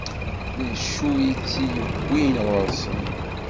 D acu i tt-iwwin ɣur-sen?